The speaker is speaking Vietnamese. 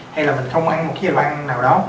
hay là mình không ăn một cái chế độ ăn nào đó